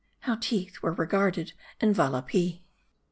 HOW TEETH WERE REGARDED IN VALAPEE.